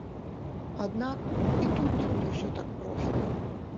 Аднак і тут не ўсё так проста.